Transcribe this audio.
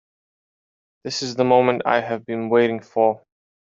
This is the moment I have been waiting for.